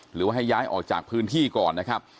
หรือว่าให้ย้ายออกจากพื้นที่ก่อนนะครับ